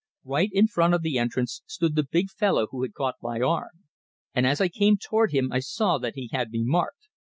Right in front of the entrance stood the big fellow who had caught my arm; and as I came toward him I saw that he had me marked.